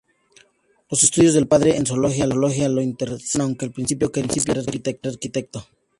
Los estudios del padre en zoología lo interesaron, aunque al principio quería ser arquitecto.